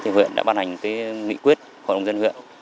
huyện đã ban hành nghị quyết của nông dân huyện